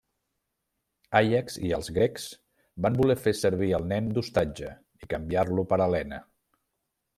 Àiax i els grecs van voler fer servir el nen d'ostatge, i canviar-lo per Helena.